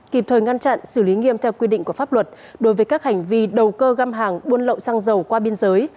kịp thời ngăn chặn xử lý nghiêm theo quy định của pháp luật đối với các hành vi đầu cơ găm hàng buôn lậu xăng dầu qua biên giới